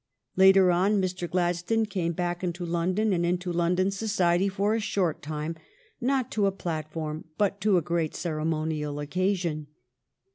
Later on Mr. Gladstone came back into London and into London society for a short time, not to a platform but to a great ceremonial occasion.